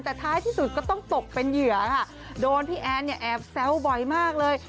แต่ท้ายที่สุดก็ต้องตกเป็นเหยื่อค่ะโดนพี่แอนเนี่ยแอบแซวบ่อยมากเลย